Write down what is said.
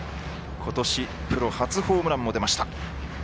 ことしプロ初ホームランも出ました。